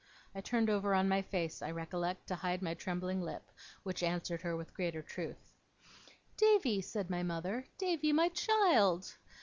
I turned over on my face, I recollect, to hide my trembling lip, which answered her with greater truth. 'Davy,' said my mother. 'Davy, my child!